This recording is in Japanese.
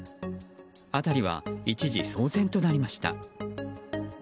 辺りは一時騒然となりました。